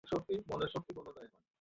বাড়িটা আটকে দাও!